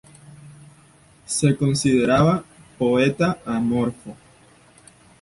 Se consideraba "poeta amorfo".